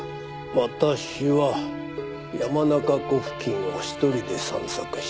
私は山中湖付近を１人で散策していた。